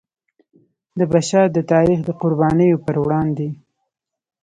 د بشر د تاریخ د قربانیو پر وړاندې.